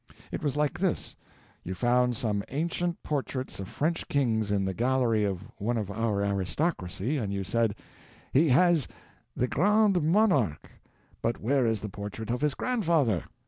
It was like this: You found some ancient portraits of French kings in the gallery of one of our aristocracy, and you said: "He has the Grand Monarch, but where is the portrait of his grandfather?"